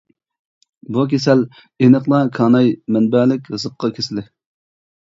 بۇ كېسەل ئېنىقلا كاناي مەنبەلىك زىققا كېسىلى.